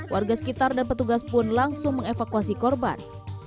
warga sekitar dan petugas pun langsung mengevakuasi korban